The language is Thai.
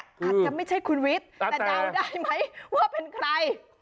อาจจะไม่ใช่คุณวิทย์แต่เดาได้ไหมว่าเป็นใคร